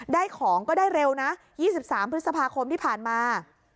ได้ของก็ได้เร็วนะ๒๓พฤษภาคมที่ผ่านมา